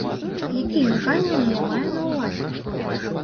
Якія выказванні я маю на ўвазе?